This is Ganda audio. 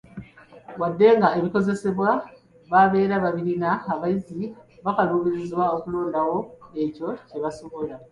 Wadde nga ebikozesebwa babeera babirina, abayizi bakaluubizibwa okulondawo ekyo kye basobola.